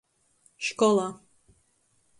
Škola.